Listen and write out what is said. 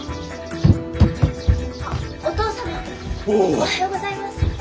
おはようございます。